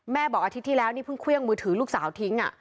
บอกอาทิตย์ที่แล้วนี่เพิ่งเครื่องมือถือลูกสาวทิ้ง